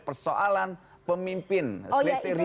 persoalan pemimpin kriteria